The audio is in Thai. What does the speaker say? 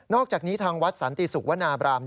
อกจากนี้ทางวัดสันติสุขวนาบราม